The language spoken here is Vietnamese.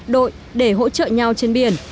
đội để hỗ trợ nhau trên biển